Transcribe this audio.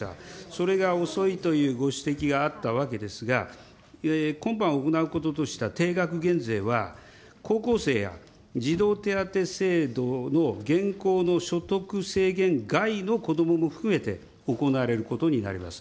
それが遅いというご指摘があったわけですが、今般行うこととした定額減税は、高校生や児童手当制度の現行の所得制限外の子どもも含めて行われることになります。